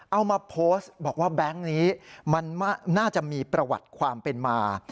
เอามาโพสต์บอกว่าแบงค์นี้มันน่าจะมีประวัติความเป็นมา